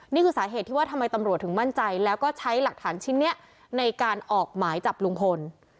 นี่คือสาเหตุที่ว่าทำไมตำรวจถึงมั่นใจแล้วก็ใช้หลักฐานชิ้นนี้ในการออกหมายจับลุงพล